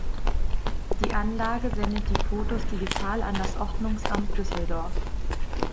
Die Anlage sendet die Fotos digital an das Ordnungsamt Düsseldorf.